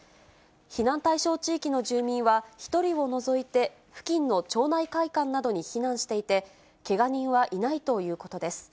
避難対象地域の住民は、１人を除いて付近の町内会館などに避難していて、けが人はいないということです。